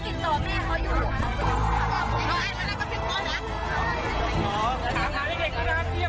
ต่อแม่เขาอยู่อะครับ